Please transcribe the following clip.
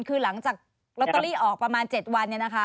คือหลังจากลัตเตอรี่ออกประมาณ๗วัน